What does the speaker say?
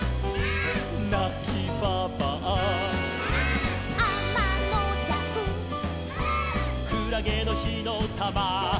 「なきばばあ」「」「あまのじゃく」「」「くらげのひのたま」「」